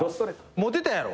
モテたやろ？